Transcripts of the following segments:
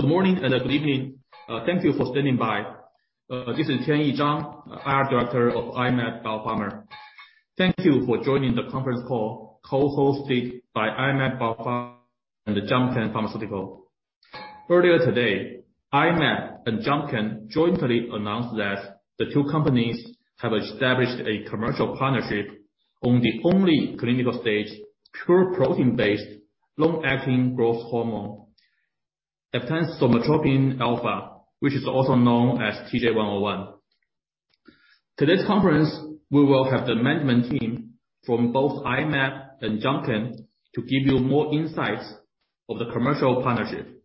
Good morning and good evening. Thank you for standing by. This is Tianyi Zhang, IR Director of I-Mab Biopharma. Thank you for joining the conference call co-hosted by I-Mab Biopharma and Jumpcan Pharmaceutical. Earlier today, I-Mab and Jumpcan jointly announced that the two companies have established a commercial partnership on the only clinical-stage, pure protein-based, long-acting growth hormone, Eftansomatropin alfa, which is also known as TJ101. Today's conference, we will have the management team from both I-Mab and Jumpcan to give you more insights of the commercial partnership.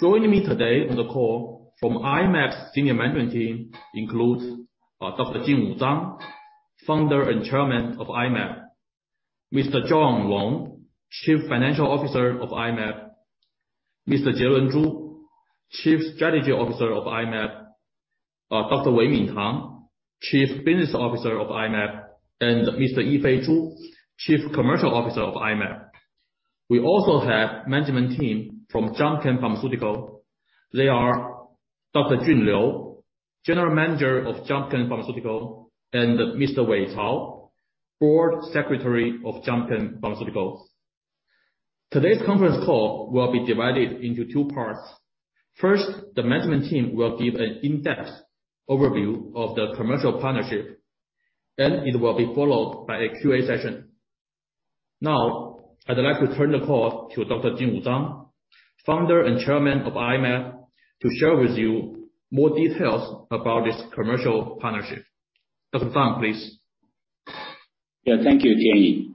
Joining me today on the call from I-Mab's senior management team includes Dr. Jingwu Zang, founder and chairman of I-Mab. Mr. John Long, Chief Financial Officer of I-Mab. Mr. Jielun Zhu, Chief Strategy Officer of I-Mab. Dr. Weimin Tang, Chief Business Officer of I-Mab. And Mr. Yifei Zhu, Chief Commercial Officer of I-Mab. We also have management team from Jumpcan Pharmaceutical. They are Dr. Jun Liu, General Manager of Jumpcan Pharmaceutical, and Mr. Wei Cao, Board Secretary of Jumpcan Pharmaceutical. Today's conference call will be divided into two parts. First, the management team will give an in-depth overview of the commercial partnership, then it will be followed by a QA session. Now, I'd like to turn the call to Dr. Jingwu Zang, founder and chairman of I-Mab, to share with you more details about this commercial partnership. Dr. Zang, please. Yeah. Thank you, Tianyi.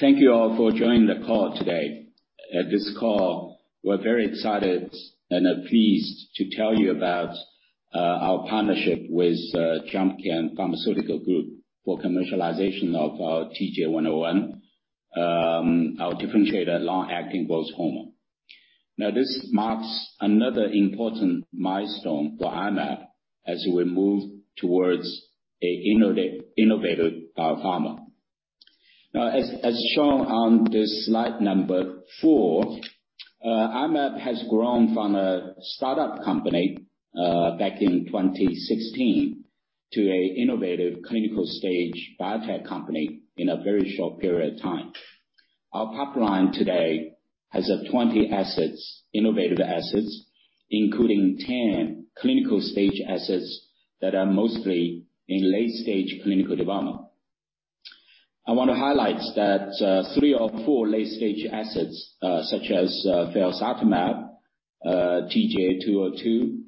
Thank you all for joining the call today. At this call, we're very excited and pleased to tell you about our partnership with Jumpcan Pharmaceutical Group for commercialization of our TJ101, our differentiated long-acting growth hormone. Now, this marks another important milestone for I-Mab as we move towards an innovative pharma. Now, as shown on the slide number 4, I-Mab has grown from a startup company back in 2016 to an innovative clinical stage biotech company in a very short period of time. Our pipeline today has over 20 assets, innovative assets, including 10 clinical stage assets that are mostly in late stage clinical development. I wanna highlight that three of four late stage assets, such as Felzartamab, TJ202,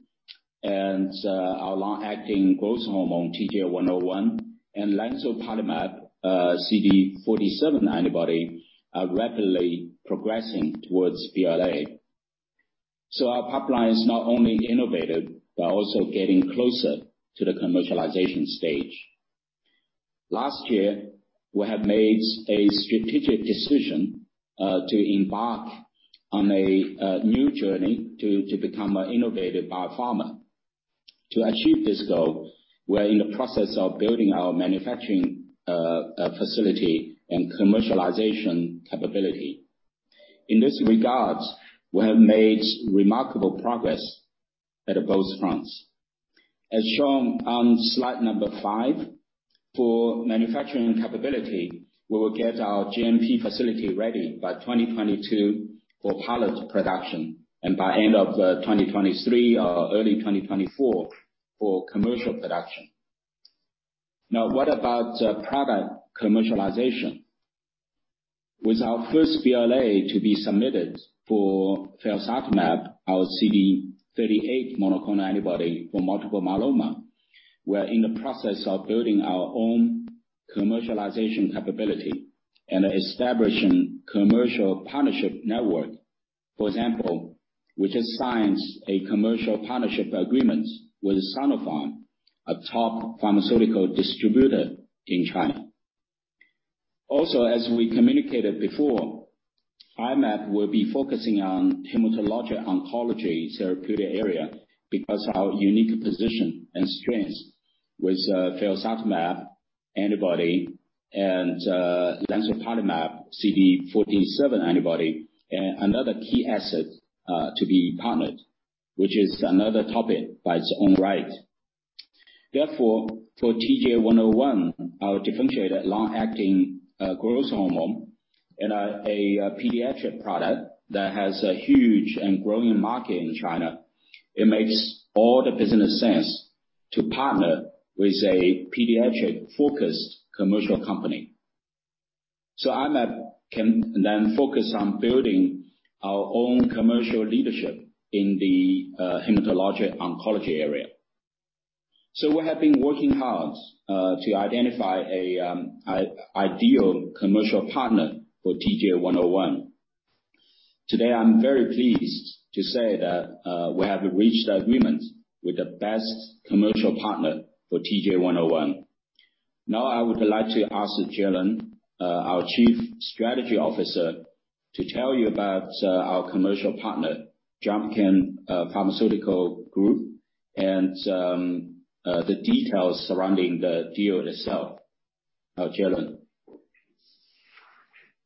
and our long-acting growth hormone, TJ101, and Lemzoparlimab, CD47 antibody, are rapidly progressing towards BLA. Our pipeline is not only innovative, but also getting closer to the commercialization stage. Last year, we have made a strategic decision to embark on a new journey to become a innovative biopharma. To achieve this goal, we're in the process of building our manufacturing facility and commercialization capability. In this regard, we have made remarkable progress on both fronts. As shown on slide number 5, for manufacturing capability, we will get our GMP facility ready by 2022 for pilot production, and by end of 2023 or early 2024 for commercial production. Now, what about product commercialization? With our first BLA to be submitted for Felzartamab, our CD38 monoclonal antibody for multiple myeloma, we're in the process of building our own commercialization capability and establishing commercial partnership network. For example, we just signed a commercial partnership agreement with Sinopharm, a top pharmaceutical distributor in China. Also, as we communicated before, I-Mab will be focusing on hematologic oncology therapeutic area because our unique position and strengths with Felzartamab antibody and Lemzoparlimab CD47 antibody, another key asset to be partnered, which is another topic by its own right. Therefore, for TJ101, our differentiated long-acting growth hormone and a pediatric product that has a huge and growing market in China, it makes all the business sense to partner with a pediatric-focused commercial company. I-Mab can then focus on building our own commercial leadership in the hematologic oncology area. We have been working hard to identify a ideal commercial partner for TJ101. Today, I'm very pleased to say that we have reached agreement with the best commercial partner for TJ101. Now, I would like to ask Jielun, our Chief Strategy Officer, to tell you about our commercial partner, Jumpcan Pharmaceutical Group, and the details surrounding the deal itself. Jielun.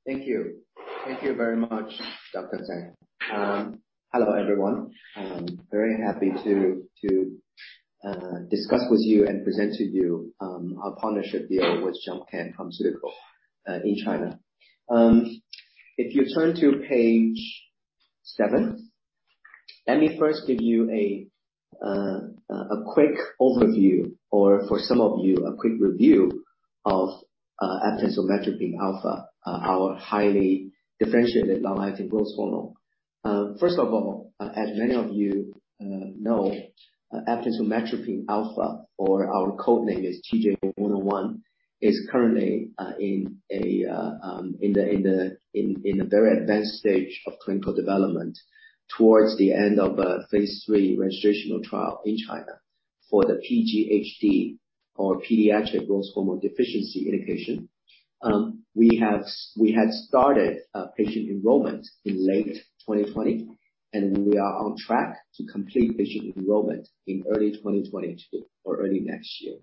Thank you. Thank you very much, Dr. Zang. Hello everyone. I'm very happy to discuss with you and present to you our partnership deal with Jumpcan Pharmaceutical in China. If you turn to page seven, let me first give you a quick overview or for some of you, a quick review of Eftansomatropin alfa, our highly differentiated long-acting growth hormone. First of all, as many of you know, Eftansomatropin alfa or our code name is TJ101, is currently in a very advanced stage of clinical development towards the end of a phase III registrational trial in China for the PGHD or pediatric growth hormone deficiency indication. We had started patient enrollment in late 2020, and we are on track to complete patient enrollment in early 2022 or early next year.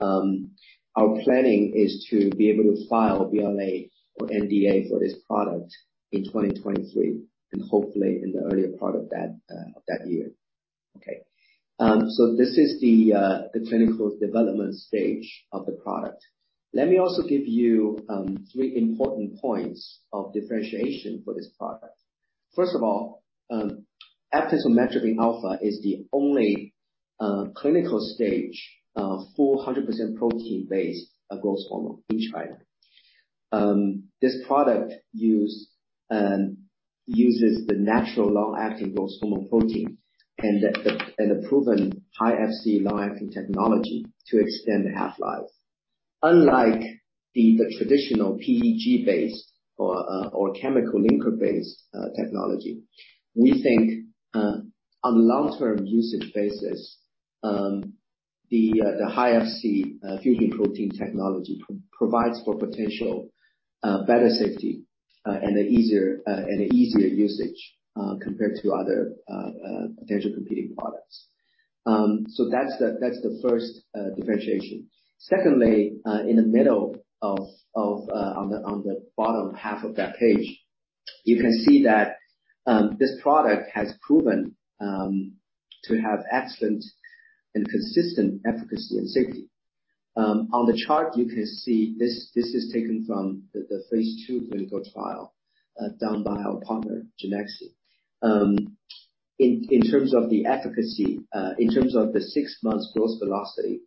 Our planning is to be able to file BLA or NDA for this product in 2023, and hopefully in the earlier part of that year. This is the clinical development stage of the product. Let me also give you three important points of differentiation for this product. First of all, Eftansomatropin alfa is the only clinical stage 100% protein-based growth hormone in China. This product uses the natural long-acting growth hormone protein and the proven high Fc long-acting technology to extend the half-life. Unlike the traditional PEG base or chemical linker base technology, we think on long-term usage basis, the high Fc fusion protein technology provides for potential better safety and easier usage compared to other potential competing products. That's the first differentiation. Secondly, in the middle of the bottom half of that page, you can see that this product has proven to have excellent and consistent efficacy and safety. On the chart, you can see this is taken from the phase II clinical trial done by our partner, Genexine. In terms of the efficacy, in terms of the six-month growth velocity,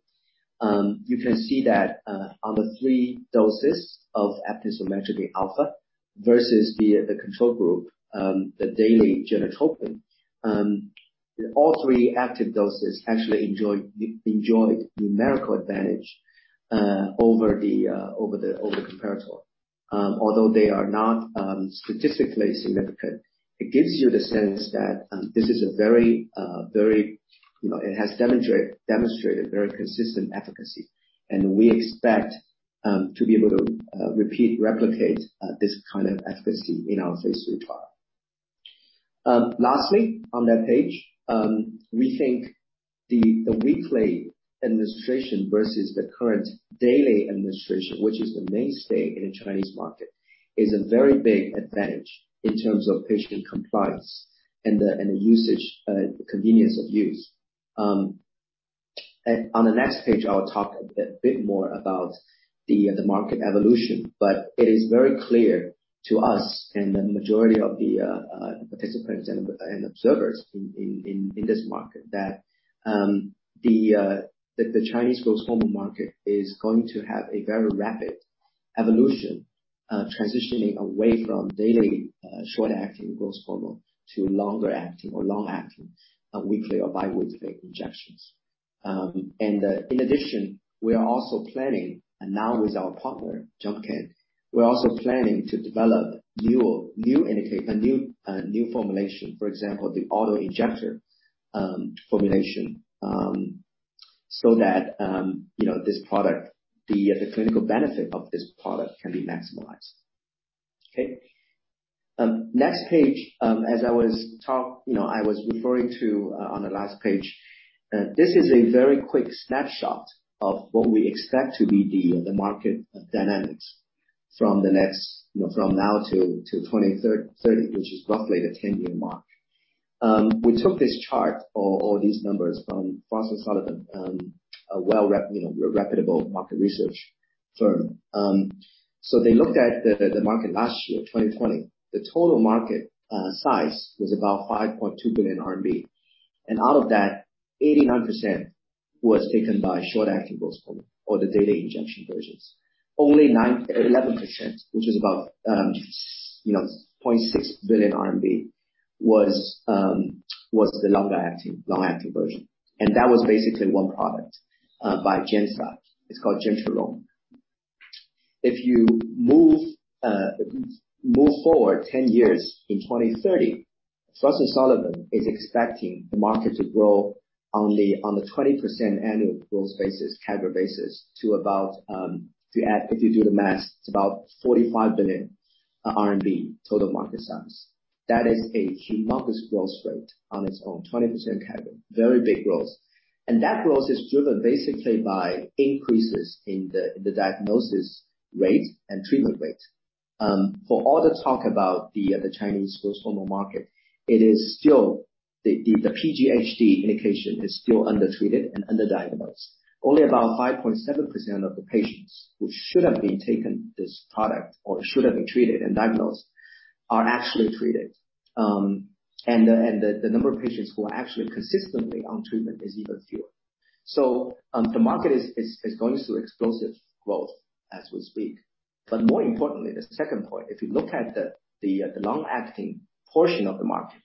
you can see that on the three doses of Eftansomatropin alfa versus the control group, the daily Genotropin, all three active doses actually enjoyed numerical advantage over the comparator. Although they are not statistically significant, it gives you the sense that this is a very consistent efficacy. It has demonstrated very consistent efficacy, and we expect to be able to replicate this kind of efficacy in our phase III trial. Lastly, on that page, we think the weekly administration versus the current daily administration, which is the mainstay in the Chinese market, is a very big advantage in terms of patient compliance and the usage, convenience of use. On the next page, I will talk a bit more about the market evolution, but it is very clear to us and the majority of the participants and observers in this market that the Chinese growth hormone market is going to have a very rapid evolution, transitioning away from daily short-acting growth hormone to longer-acting or long-acting weekly or bi-weekly injections. In addition, we are planning now with our partner, Jumpcan, to develop a new formulation, for example, the auto-injector formulation, so that you know, the clinical benefit of this product can be maximized. Okay. Next page, you know, I was referring to on the last page, this is a very quick snapshot of what we expect to be the market dynamics from now, you know, to 2030, which is roughly the ten-year mark. We took this chart or these numbers from Frost & Sullivan, you know, a reputable market research firm. So they looked at the market last year, 2020. The total market size was about 5.2 billion RMB. Out of that, 89% was taken by short-acting growth hormone or the daily injection versions. Only 11%, which is about, you know, 0.6 billion RMB, was the long-acting version. That was basically one product by GenSci. It's called Jintrolong. If you move forward 10 years in 2030, Frost & Sullivan is expecting the market to grow only on the 20% annual growth basis, CAGR basis, to about, if you do the math, it's about 45 billion RMB total market size. That is a humongous growth rate on its own, 20% CAGR, very big growth. That growth is driven basically by increases in the diagnosis rate and treatment rate. For all the talk about the Chinese growth hormone market, it is still the PGHD indication is still undertreated and under-diagnosed. Only about 5.7% of the patients who should have been taking this product or should have been treated and diagnosed are actually treated. The number of patients who are actually consistently on treatment is even fewer. The market is going through explosive growth as we speak. More importantly, the second point, if you look at the long-acting portion of the market,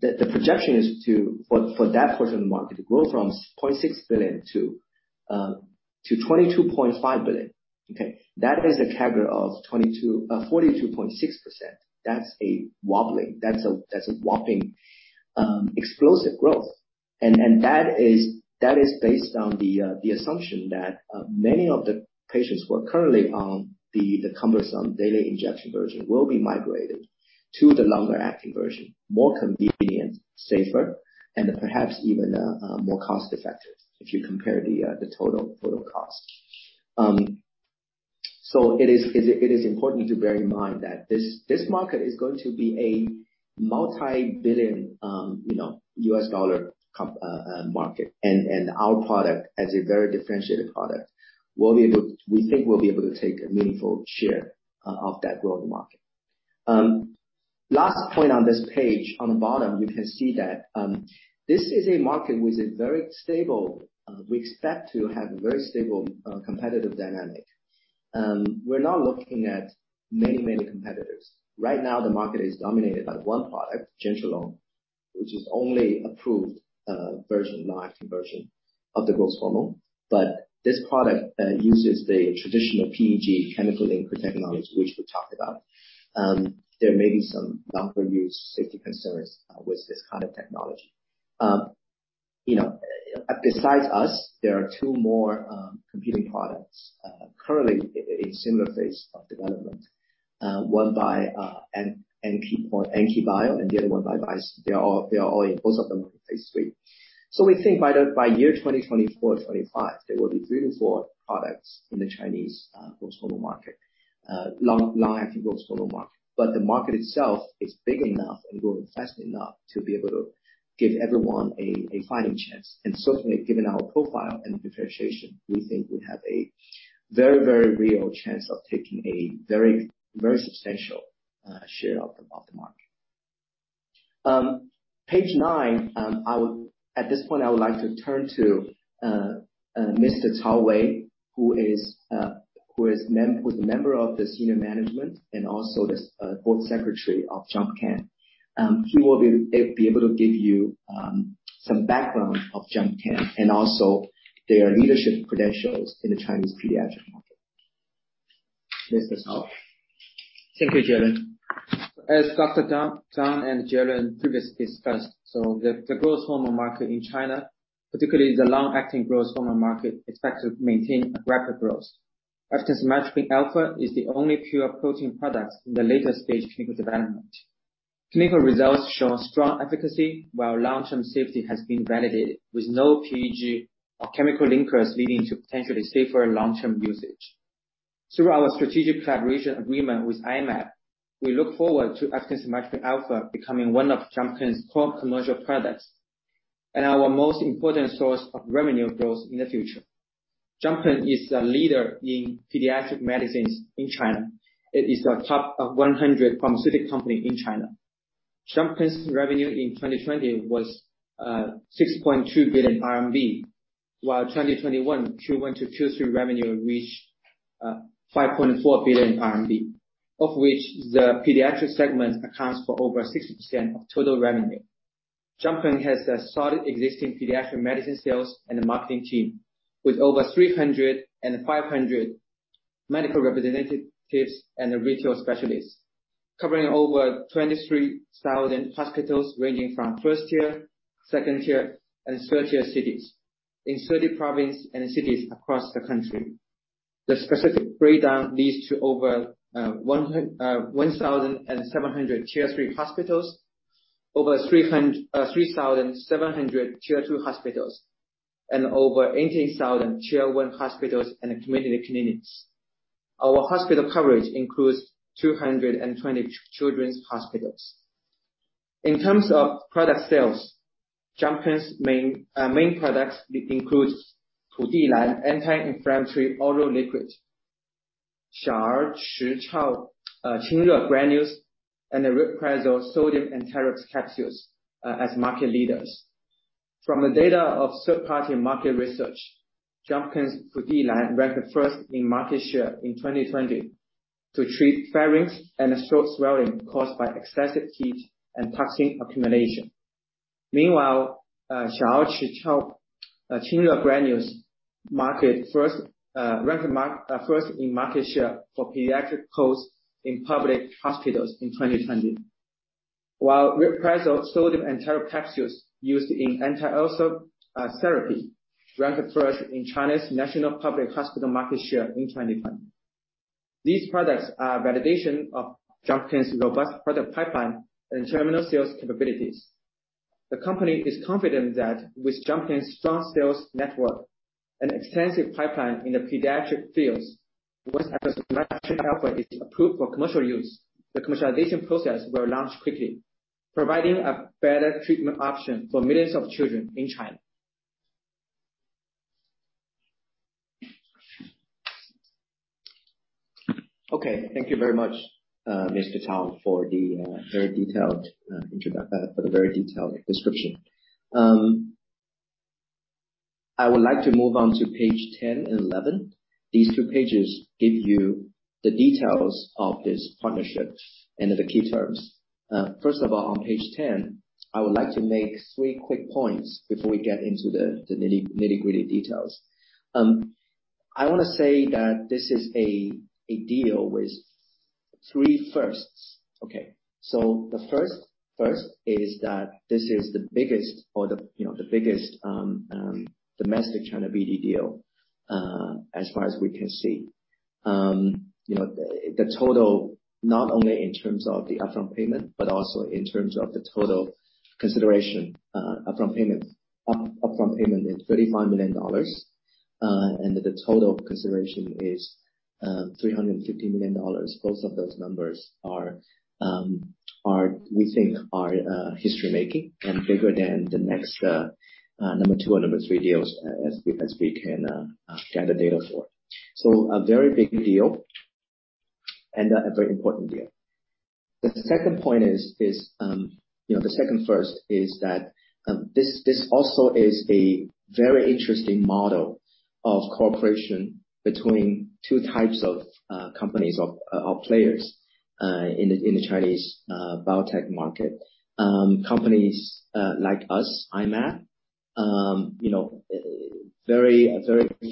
the projection is for that portion of the market to grow from $0.6 billion-$22.5 billion. That is a CAGR of 42.6%. That's a whopping explosive growth and that is based on the assumption that many of the patients who are currently on the cumbersome daily injection version will be migrated to the longer-acting version, more convenient, safer, and perhaps even more cost effective if you compare the total cost. So it is important to bear in mind that this market is going to be a multi-billion, you know, U.S. dollar market. Our product, as a very differentiated product, we think we'll be able to take a meaningful share of that growing market. Last point on this page, on the bottom, you can see that this is a market with a very stable competitive dynamic. We expect to have a very stable competitive dynamic. We're not looking at many competitors. Right now, the market is dominated by one product, Jintrolong, which is the only approved long-acting version of the growth hormone. This product uses the traditional PEG chemical linker technology, which we talked about. There may be some long-term use safety concerns with this kind of technology. You know, besides us, there are two more competing products currently in similar phase of development. One by AnkeBio, and the other one by Eisai. Both of them are in phase III. We think by year 2024-2025, there will be three to four products in the Chinese growth hormone market, long-acting growth hormone market. The market itself is big enough and growing fast enough to be able to give everyone a fighting chance. Certainly, given our profile and differentiation, we think we have a very, very real chance of taking a very, very substantial share of the market. Page nine. At this point, I would like to turn to Mr. Cao Wei, who is a member of the senior management and also the board secretary of Jumpcan. He will be able to give you some background of Jumpcan and also their leadership credentials in the Chinese pediatric market. Mr. Cao. Thank you, Jielun. As Dr. Zang and Jielun previously discussed, the growth hormone market in China, particularly the long-acting growth hormone market, is expected to maintain rapid growth. Eftansomatropin alfa is the only pure protein product in the late-stage clinical development. Clinical results show strong efficacy while long-term safety has been validated with no PEG or chemical linkers leading to potentially safer long-term usage. Through our strategic collaboration agreement with I-Mab, we look forward to Eftansomatropin alfa becoming one of Jumpcan's core commercial products and our most important source of revenue growth in the future. Jumpcan is the leader in pediatric medicines in China. It is a top 100 pharmaceutical company in China. Jumpcan's revenue in 2020 was 6.2 billion RMB, while 2021 Q1 to Q3 revenue reached 5.4 billion RMB, of which the pediatric segment accounts for over 60% of total revenue. Jumpcan has a solid existing pediatric medicine sales and a marketing team with over 300 and 500 medical representatives and retail specialists, covering over 23,000 hospitals ranging from first tier, second tier, and third tier cities in 30 provinces and cities across the country. The specific breakdown leads to over 1,700 tier three hospitals, over 3,700 tier two hospitals, and over 18,000 tier one hospitals and community clinics. Our hospital coverage includes 220 children's hospitals. In terms of product sales, Jumpcan's main products includes Pudilan anti-inflammatory oral liquid, Xiaoer Chiqiao Qingre Granules, and Rabeprazole sodium and tarot capsules as market leaders. From the data of third-party market research, Jumpcan's Pudilan ranked first in market share in 2020 to treat pharynx and throat swelling caused by excessive heat and toxin accumulation. Meanwhile, Xiaoer Chiqiao Qingre Granules ranked first in market share for pediatric coughs in public hospitals in 2020. While rabeprazole sodium and tarot capsules used in anti-ulcer therapy ranked first in China's national public hospital market share in 2025. These products are validation of Jumpcan's robust product pipeline and terminal sales capabilities. The company is confident that with Jumpcan's strong sales network and extensive pipeline in the pediatric fields, once it is approved for commercial use, the commercialization process will launch quickly, providing a better treatment option for millions of children in China. Okay, thank you very much, Mr. Cao, for the very detailed description. I would like to move on to page 10 and 11. These two pages give you the details of this partnership and the key terms. First of all, on page 10, I would like to make three quick points before we get into the nitty-gritty details. I wanna say that this is a deal with three firsts. Okay. The first first is that this is the biggest, you know, the biggest domestic China BD deal, as far as we can see. You know, the total, not only in terms of the upfront payment, but also in terms of the total consideration, upfront payment is $35 million, and the total consideration is $350 million. Both of those numbers, we think, are history-making and bigger than the next number two or number three deals as we can gather data for. A very big deal and a very important deal. The second point is you know the second is that this also is a very interesting model of cooperation between two types of companies or players in the Chinese biotech market. Companies like us, I-Mab, you know, a very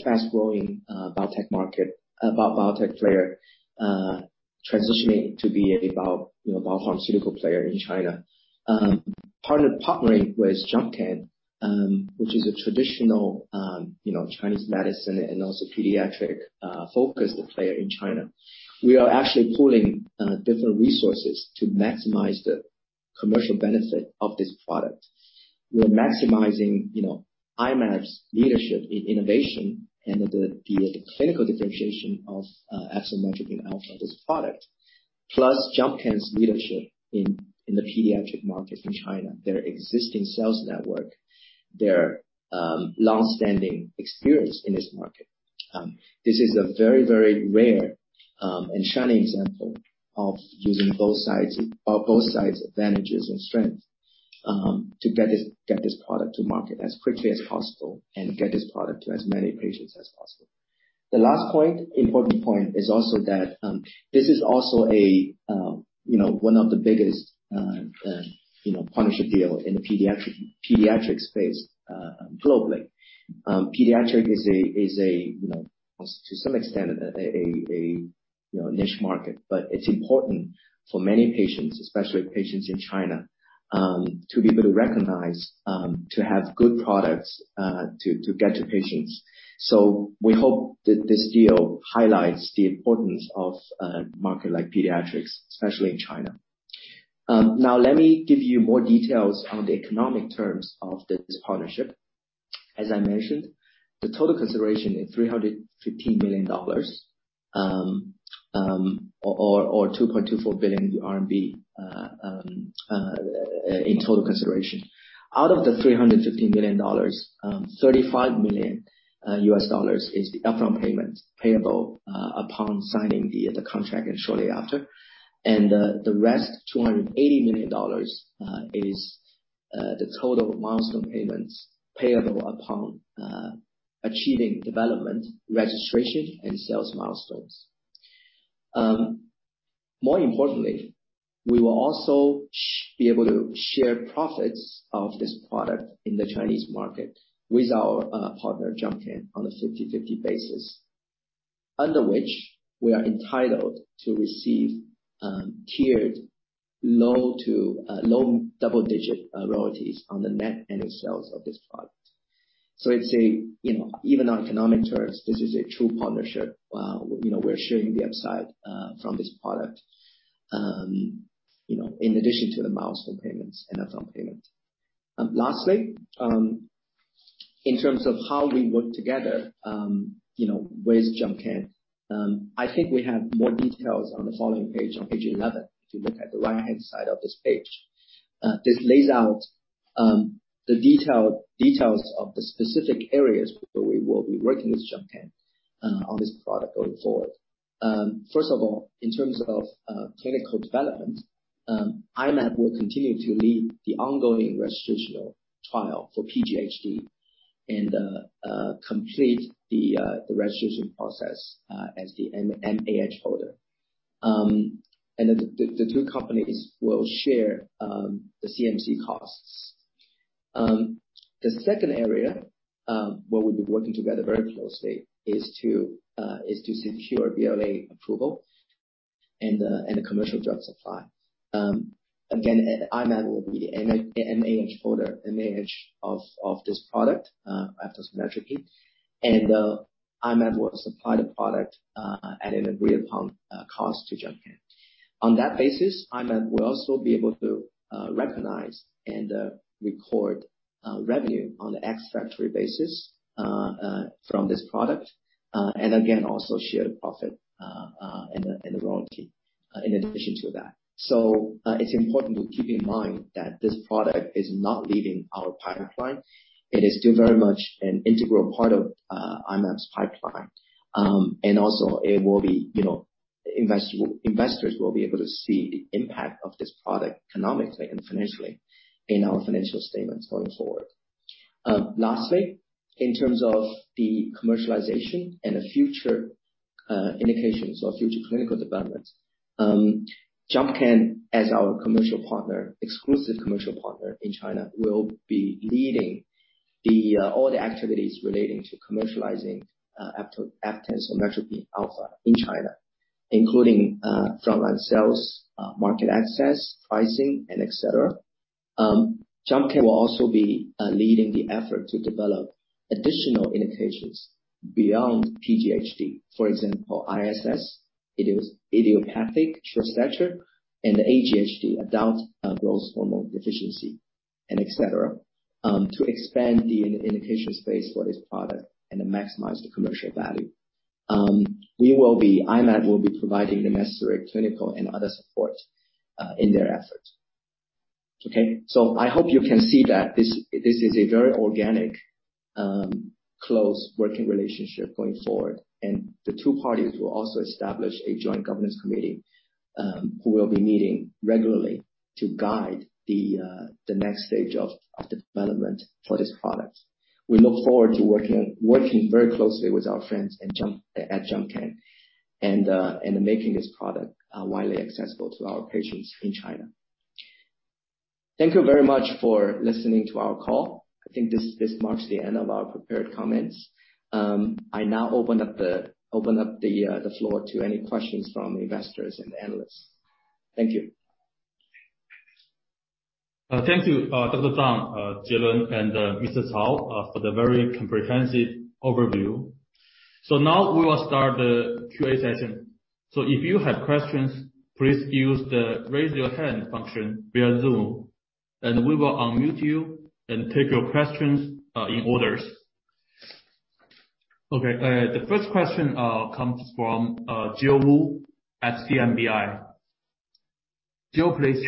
fast growing biotech player transitioning to be a biopharmaceutical player in China. Part of partnering with Jumpcan, which is a traditional Chinese medicine and also pediatric focused player in China. We are actually pooling different resources to maximize the commercial benefit of this product. We're maximizing, you know, I-Mab's leadership in innovation and the clinical differentiation of eftansomatropin alfa, this product, plus Jumpcan's leadership in the pediatric market in China, their existing sales network, their long-standing experience in this market. This is a very, very rare and shining example of using both sides advantages and strength to get this product to market as quickly as possible and get this product to as many patients as possible. The last point, important point, is also that this is also a one of the biggest partnership deal in the pediatric space globally. Pediatric is a you know to some extent a niche market, but it's important for many patients, especially patients in China, to be able to recognize to have good products to get to patients. We hope that this deal highlights the importance of a market like pediatrics, especially in China. Now let me give you more details on the economic terms of this partnership. As I mentioned, the total consideration is $350 million or 2.24 billion RMB in total consideration. Out of the $350 million, $35 million U.S. dollars is the upfront payment payable upon signing the contract and shortly after. The rest, $280 million, is the total milestone payments payable upon achieving development, registration and sales milestones. More importantly, we will also be able to share profits of this product in the Chinese market with our partner, Jumpcan, on a 50/50 basis, under which we are entitled to receive tiered low to low double-digit royalties on the net annual sales of this product. It's a, you know, even on economic terms, this is a true partnership. You know, we're sharing the upside from this product, you know, in addition to the milestone payments and upfront payment. Lastly, in terms of how we work together, you know, with Jumpcan, I think we have more details on the following page, on page 11, if you look at the right-hand side of this page. This lays out the details of the specific areas where we will be working with Jumpcan, on this product going forward. First of all, in terms of clinical development, I-Mab will continue to lead the ongoing registrational trial for PGHD and complete the registration process, as the MAH holder. The two companies will share the CMC costs. The second area where we'll be working together very closely is to secure BLA approval and a commercial drug supply. Again, I-Mab will be the MAH holder, MAH of this product, Eftansomatropin alfa, and I-Mab will supply the product at an agreed upon cost to Jumpcan. On that basis, I-Mab will also be able to recognize and record revenue on the ex-factory basis from this product, and again, also share the profit and the royalty in addition to that. It's important to keep in mind that this product is not leaving our pipeline. It is still very much an integral part of I-Mab's pipeline. Also, investors will be able to see the impact of this product economically and financially in our financial statements going forward. Lastly, in terms of the commercialization and the future indications or future clinical developments, Jumpcan as our commercial partner, exclusive commercial partner in China, will be leading all the activities relating to commercializing eftansomatropin alfa in China, including frontline sales, market access, pricing, and et cetera. Jumpcan will also be leading the effort to develop additional indications beyond PGHD. For example, ISS, idiopathic short stature, and AGHD, adult growth hormone deficiency, and et cetera, to expand the indication space for this product and to maximize the commercial value. I-Mab will be providing the necessary clinical and other support in their efforts. Okay? I hope you can see that this is a very organic, close working relationship going forward, and the two parties will also establish a joint governance committee, who will be meeting regularly to guide the next stage of the development for this product. We look forward to working very closely with our friends at Jumpcan and making this product widely accessible to our patients in China. Thank you very much for listening to our call. I think this marks the end of our prepared comments. I now open up the floor to any questions from investors and analysts. Thank you. Thank you, Dr. Zang, Jielun, and Mr. Cao for the very comprehensive overview. Now we will start the QA session. If you have questions, please use the raise your hand function via Zoom, and we will unmute you and take your questions in order. Okay, the first question comes from Jill Wu at CMBI. Jill, please.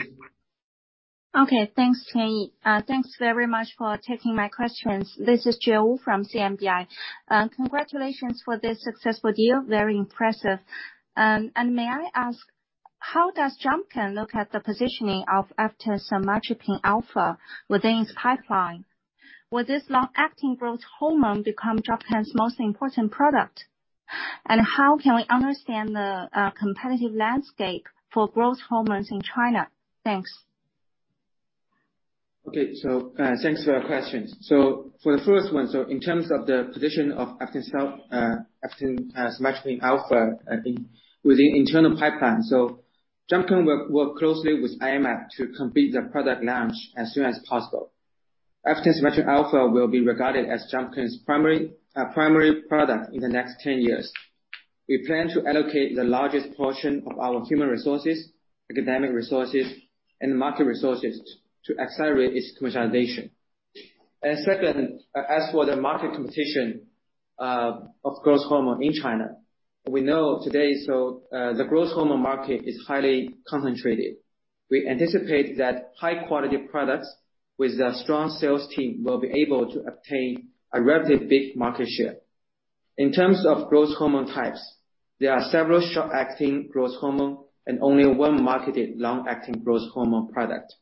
Okay. Thanks, Tianyi. Thanks very much for taking my questions. This is Jill Wu from CMBI. Congratulations for this successful deal. Very impressive. And may I ask, how does Jumpcan look at the positioning of Eftansomatropin alfa within its pipeline? Will this long-acting growth hormone become Jumpcan's most important product? And how can we understand the competitive landscape for growth hormones in China? Thanks. Okay, thanks for your questions. For the first one, in terms of the position of Eftansomatropin alfa within internal pipeline, Jumpcan will work closely with I-Mab to complete the product launch as soon as possible. Eftansomatropin alfa will be regarded as Jumpcan's primary product in the next 10 years. We plan to allocate the largest portion of our human resources, academic resources, and market resources to accelerate its commercialization. Second, as for the market competition of growth hormone in China, we know today, the growth hormone market is highly concentrated. We anticipate that high-quality products with a strong sales team will be able to obtain a relatively big market share. In terms of growth hormone types, there are several short-acting growth hormone and only one marketed long-acting growth hormone product.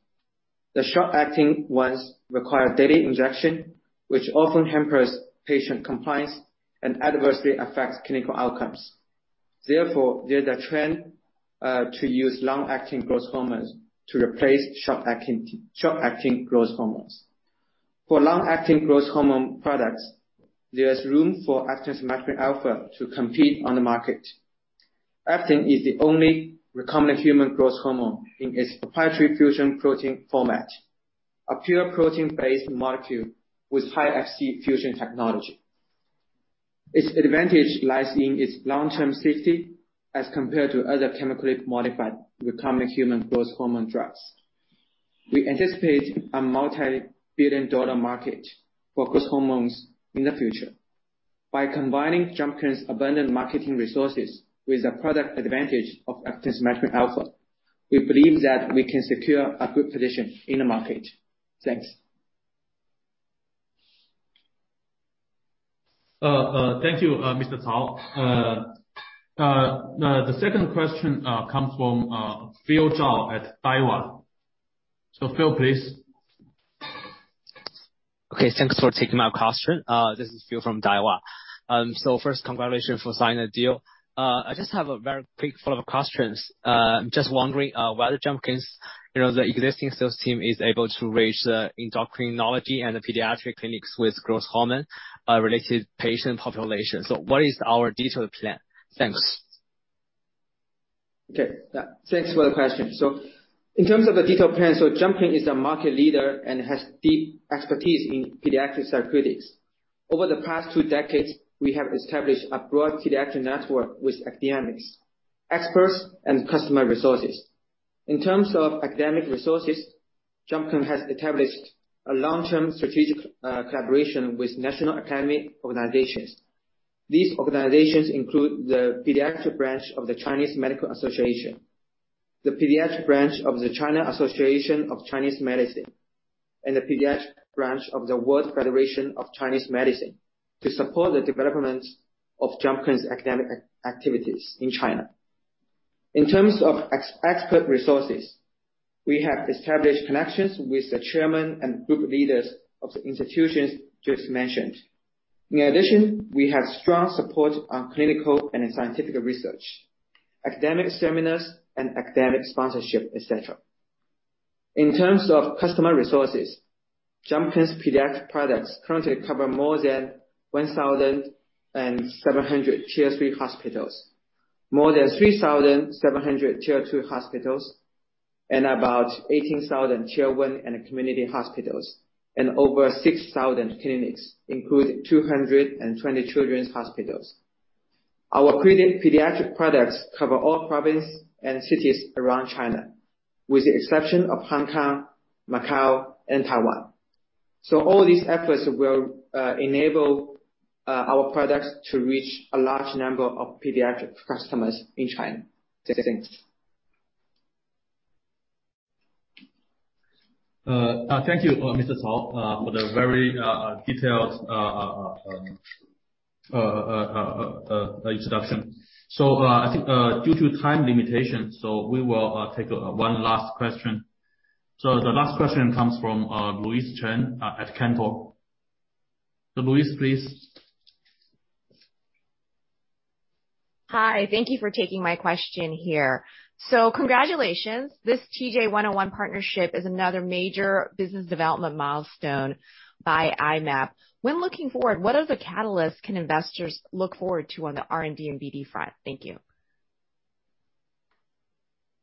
The short-acting ones require daily injection, which often hampers patient compliance and adversely affects clinical outcomes. Therefore, there's a trend to use long-acting growth hormones to replace short-acting growth hormones. For long-acting growth hormone products, there's room for Eftansomatropin alfa to compete on the market. Eftansomatropin alfa is the only recombinant human growth hormone in its proprietary fusion protein format, a pure protein-based molecule with high Fc fusion technology. Its advantage lies in its long-term safety as compared to other chemically modified recombinant human growth hormone drugs. We anticipate a multi-billion-dollar market for growth hormones in the future. By combining Jumpcan's abundant marketing resources with the product advantage of Eftansomatropin alfa, we believe that we can secure a good position in the market. Thanks. Thank you, Mr. Cao. The second question comes from Phil Zhao at Daiwa. Phil, please. Okay, thanks for taking my question. This is Phil from Daiwa. So first, congratulations for signing the deal. I just have a very quick follow-up questions. Just wondering whether Jumpcan's, you know, the existing sales team is able to reach the endocrinology and the pediatric clinics with growth hormone related patient population. What is our detailed plan? Thanks. Okay. Yeah, thanks for the question. In terms of the detailed plan, Jumpcan is a market leader and has deep expertise in pediatric therapeutics. Over the past two decades, we have established a broad pediatric network with academics, experts, and customer resources. In terms of academic resources, Jumpcan has established a long-term strategic collaboration with national academic organizations. These organizations include the pediatric branch of the Chinese Medical Association, the pediatric branch of the China Association of Chinese Medicine, and the pediatric branch of the World Federation of Chinese Medicine Societies to support the development of Jumpcan's academic activities in China. In terms of expert resources, we have established connections with the chairman and group leaders of the institutions just mentioned. In addition, we have strong support on clinical and scientific research, academic seminars and academic sponsorship, et cetera. In terms of customer resources, Jumpcan's pediatric products currently cover more than 1,700 Tier-III hospitals, more than 3,700 Tier-II hospitals, and about 18,000 Tier-I and community hospitals, and over 6,000 clinics, including 220 children's hospitals. Our pediatric products cover all provinces and cities around China, with the exception of Hong Kong, Macau and Taiwan. All these efforts will enable our products to reach a large number of pediatric customers in China. Thanks. Thank you, Mr. Cao, for the very detailed introduction. I think, due to time limitations, we will take one last question. The last question comes from Louise Chen at Cantor. Louise, please. Hi. Thank you for taking my question here. Congratulations. This TJ101 partnership is another major business development milestone by I-Mab. When looking forward, what other catalysts can investors look forward to on the R&D and BD front? Thank you.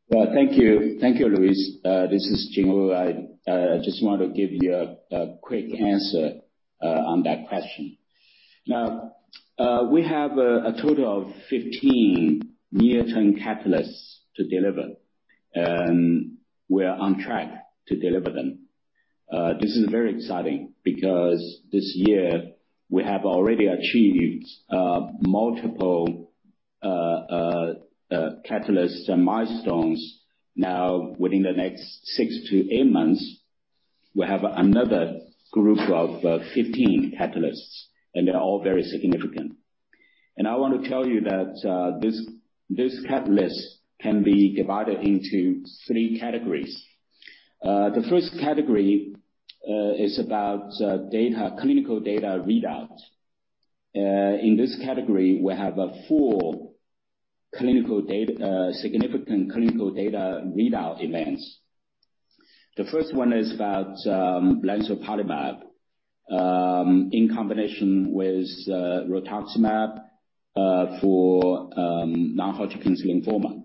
Well, thank you. Thank you, Louise. This is JingWu. I just want to give you a quick answer on that question. Now, we have a total of 15 near-term catalysts to deliver, and we're on track to deliver them. This is very exciting because this year we have already achieved multiple catalysts and milestones. Now, within the next 6-8 months, we have another group of 15 catalysts, and they're all very significant. I wanna tell you that this catalyst can be divided into three categories. The first category is about data, clinical data readouts. In this category, we have four significant clinical data readout events. The first one is about lemzoparlimab in combination with rituximab for non-Hodgkin's lymphoma.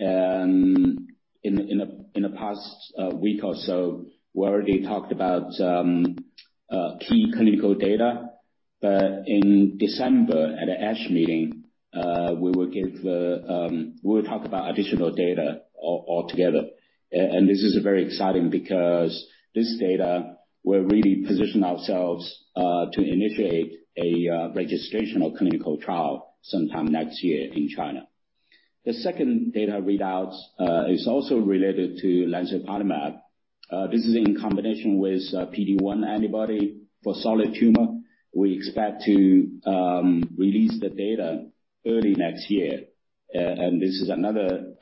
In the past week or so, we already talked about key clinical data. In December, at the ASH meeting, we will give we'll talk about additional data altogether. This is very exciting because this data will really position ourselves to initiate a registrational clinical trial sometime next year in China. The second data readout is also related to lemzoparlimab. This is in combination with PD-1 antibody for solid tumor. We expect to release the data early next year, and this is another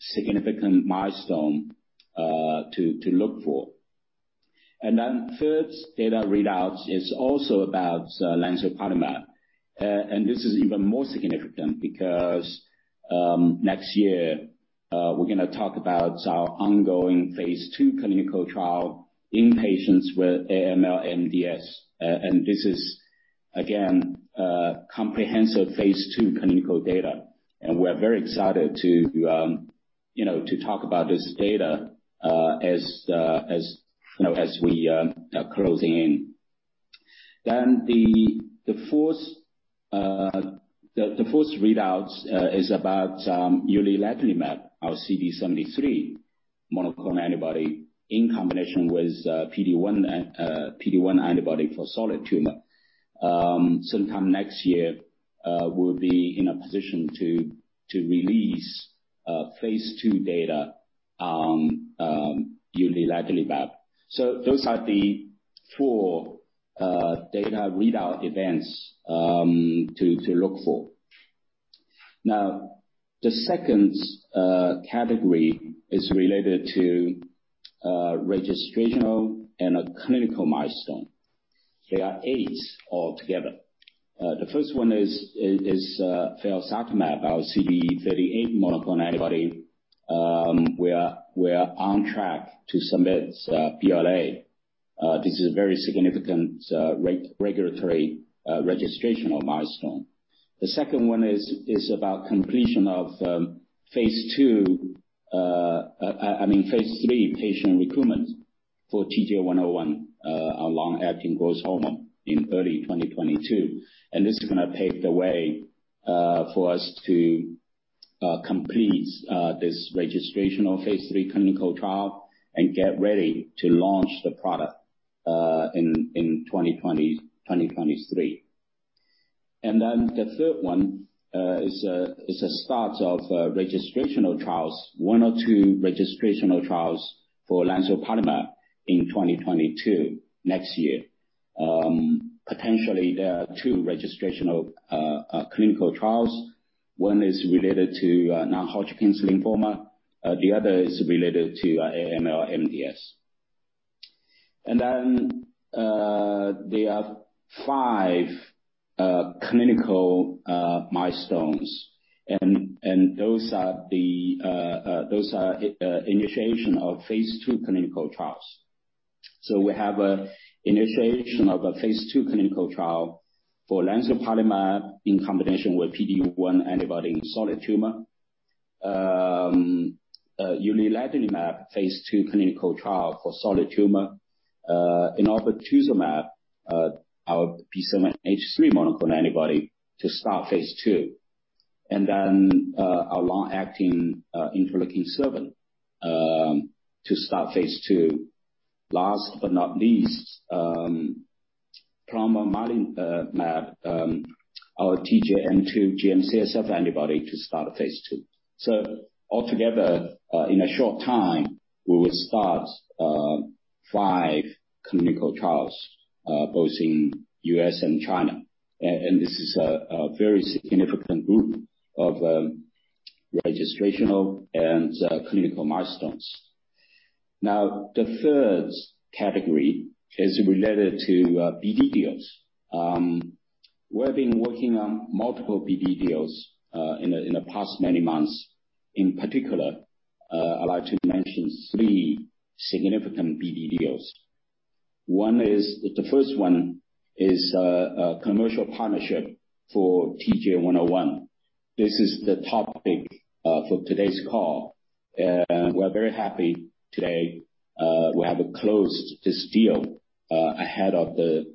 significant milestone to look for. Third data readout is also about lemzoparlimab. This is even more significant because next year we're gonna talk about our ongoing phase II clinical trial in patients with AML/MDS. This is again comprehensive phase II clinical data. We're very excited to, you know, to talk about this data, as you know, as we closing in. Then the fourth readouts is about uliledlimab, our CD73 monoclonal antibody in combination with PD-1 antibody for solid tumor. Sometime next year, we'll be in a position to release phase II data on uliledlimab. Those are the four data readout events to look for. Now, the second category is related to registrational and a clinical milestone. There are 8 altogether. The first one is felzartamab, our CD38 monoclonal antibody, we are on track to submit sBLA. This is a very significant regulatory, registrational milestone. The second one is about completion of phase III patient recruitment for TJ101, our long-acting growth hormone in early 2022. This is gonna pave the way for us to complete this registrational phase III clinical trial and get ready to launch the product in 2023. The third one is a start of registrational trials, one or two registrational trials for Lemzoparlimab in 2022, next year. Potentially there are two registrational clinical trials. One is related to non-Hodgkin's lymphoma, the other is related to AML/MDS. There are five clinical milestones and those are initiation of phase II clinical trials. We have an initiation of a phase II clinical trial for lemzoparlimab in combination with PD-1 antibody in solid tumor. Uliledlimab phase II clinical trial for solid tumor. Inotuzumab, our BCMA H3 monoclonal antibody to start phase II. Our long-acting interleukin-7 to start phase II. Last but not least, plonmarlimab, our TGN2 GM-CSF antibody to start phase II. Altogether, in a short time, we will start five clinical trials, both in U.S. and China. This is a very significant group of registrational and clinical milestones. Now, the third category is related to BD deals. We have been working on multiple BD deals in the past many months. In particular, I'd like to mention three significant BD deals. The first one is a commercial partnership for TJ101. This is the topic for today's call. We're very happy today, we have closed this deal ahead of the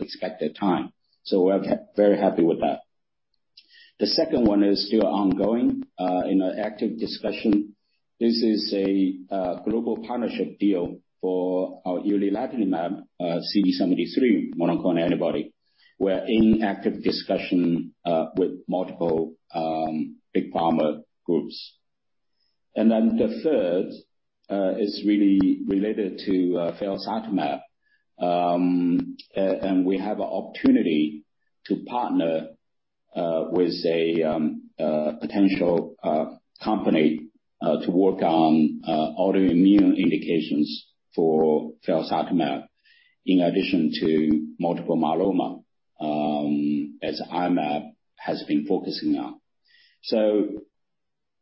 expected time. We're very happy with that. The second one is still ongoing in an active discussion. This is a global partnership deal for our uliledlimab, CD73 monoclonal antibody. We're in active discussion with multiple big pharma groups. The third is really related to Felzartamab. We have an opportunity to partner with a potential company to work on autoimmune indications for Felzartamab, in addition to multiple myeloma, as I-Mab has been focusing on.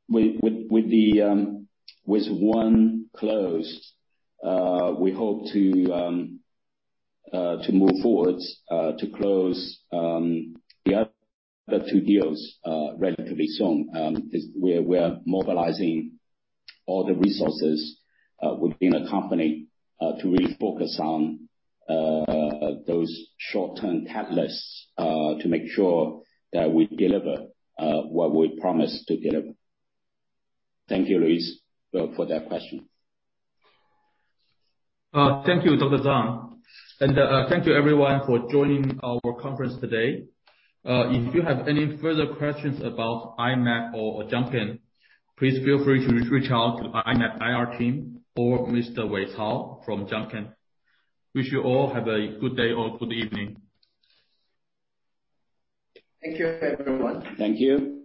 With the one closed, we hope to move forward to close the other two deals relatively soon. We're mobilizing all the resources within the company to really focus on those short-term catalysts to make sure that we deliver what we promise to deliver. Thank you, Louise, for that question. Thank you, Dr. Zang. Thank you everyone for joining our conference today. If you have any further questions about I-Mab or Jumpcan, please feel free to reach out to I-Mab IR team or Mr. Wei Cao from Jumpcan. I wish you all have a good day or good evening. Thank you, everyone. Thank you.